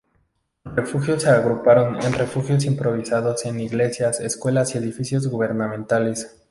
Los refugiados se agruparon en refugios improvisados en iglesias, escuelas y edificios gubernamentales.